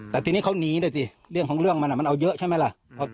แต่ทีนี้เขาหนีด้วยสิเรื่องของเรื่องมันมันเอาเยอะใช่ไหมล่ะ